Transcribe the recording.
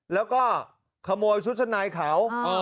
แล้วก็ขโมยชุดชั้นในเขา